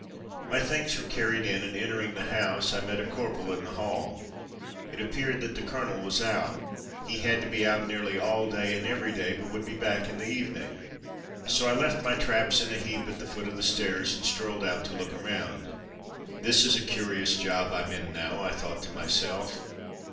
My things were carried in and, entering the house, I met a corporal in the hall. It appeared that the colonel was out. He had to be out nearly all day and every day, but would be back in the evening. So I left my traps in a heap at the foot of the stairs, and strolled out to look around. "This is a curious job Fm in now,'' I thought to myself.